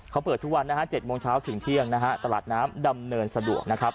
เขาเปิดทุกวันนะฮะ๗โมงเช้าถึงเที่ยงนะฮะตลาดน้ำดำเนินสะดวกนะครับ